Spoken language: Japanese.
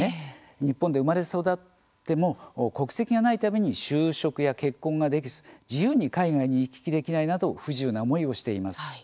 日本で生まれ育っても国籍がないために就職や結婚ができず自由に海外に行き来できないなど不自由な思いをしています。